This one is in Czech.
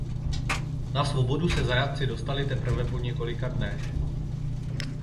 Na svobodu se zajatci dostali teprve po několika dnech.